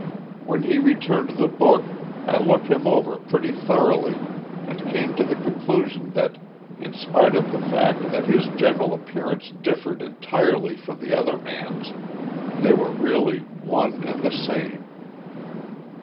When he returned the book I looked him over pretty thoroughly and came to the conclusion that, in spite of the fact that his general appearance differed entirely from the other man's, they were really one and the same!"